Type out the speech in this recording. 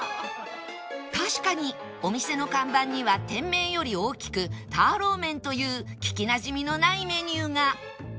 確かにお店の看板には店名より大きく「ターローメン」という聞きなじみのないメニューが